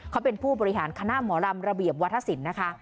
เขาเป็นผู้บริหารคณะหมอลำระเบียบวัฒนศิลป์นะคะ